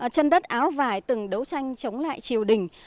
chân đất áo vải từng đấu tranh chống lại triều đình